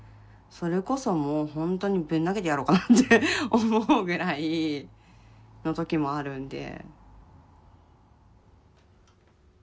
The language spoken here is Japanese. それこそもうほんとにぶん投げてやろうかなって思うぐらいの時もあるんで。